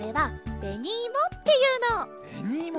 べにいも？